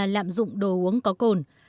đạm dụng đồ uống có cồn